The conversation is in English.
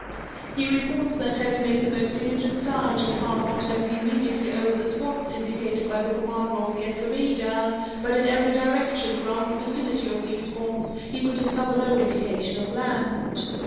He reports that, having made the most diligent search and passed not only immediately over the spots indicated by the commander of the Atrevida, but in every direction throughout the vicinity of these spots, he could discover no indication of land.